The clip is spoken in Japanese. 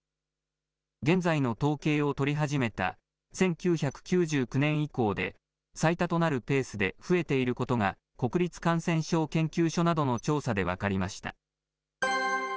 現在の統計を取り始めた１９９９年以降で最多となるペースで増えていることが、国立感染症研究所などの調査で分かりました。